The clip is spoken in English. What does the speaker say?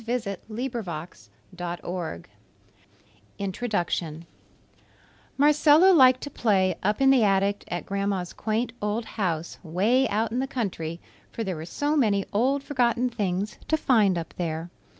INTRODUCTION Marcella liked to play up in the attic at Grandma's quaint old house, 'way out in the country, for there were so many old forgotten things to find up there.